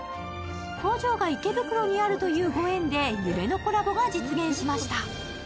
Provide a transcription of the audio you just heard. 工場が池袋にあるというご縁で夢のコラボが実現しました。